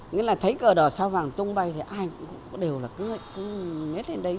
nghĩa là thấy cờ đỏ sao vàng tung bay thì ai cũng đều là cứ ngách lên đấy